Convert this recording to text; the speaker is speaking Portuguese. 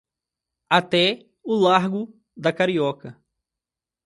Até o largo da Carioca.